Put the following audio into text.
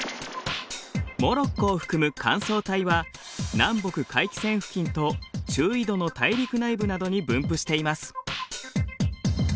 モロッコを含む乾燥帯は南北回帰線付近と中緯度の大陸内部などに分布しています。